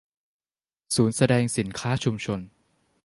ศูนย์แสดงสินค้าชุมชน